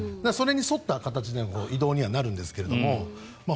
それに沿った形での移動にはなるんですが